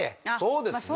そうですね。